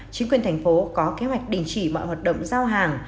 chính quyền thành phố có kế hoạch đình chỉ mọi hoạt động giao hàng